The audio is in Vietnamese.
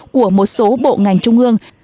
của một số bộ ngành trung ương